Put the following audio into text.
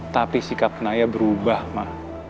tapi sikap naya berubah mah